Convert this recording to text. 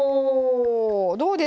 どうです？